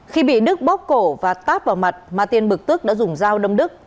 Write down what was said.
khi bị đức bóp cổ và tát vào mặt ma tiên bực tức đã dùng dao đâm đức